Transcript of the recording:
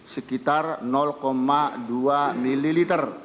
sekitar dua ml